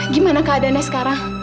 gimana keadaannya sekarang